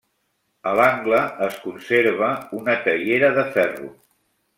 A l'angle es conserva una teiera de ferro.